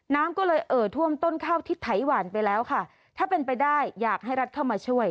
น้ำก็เลยเอ่อท่วมต้นข้าวที่ไถหวานไปแล้วค่ะถ้าเป็นไปได้อยากให้รัฐเข้ามาช่วย